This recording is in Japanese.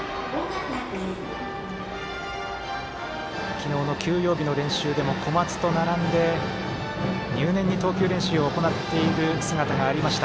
昨日の休養日の練習でも小松と並んで入念に投球練習を行っている姿がありました